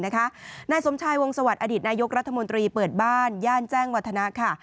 นายสมชายวงสวัสดินายกรัฐมนตรีเปิดบ้านย่านแจ้งวัฒนะค่ะ